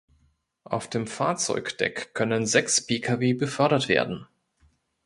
Auf dem Fahrzeugdeck können sechs Pkw befördert werden.